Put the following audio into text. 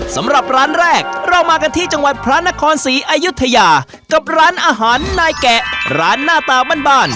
สำหรับร้านแรกเรามากันที่จังหวัดพระนครศรีอายุทยากับร้านอาหารนายแกะร้านหน้าตาบ้าน